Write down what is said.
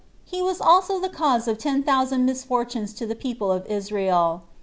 He was also the cause of ten thousand misfortunes to the people of Israel.